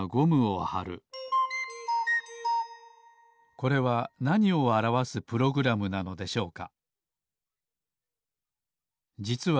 これはなにをあらわすプログラムなのでしょうか？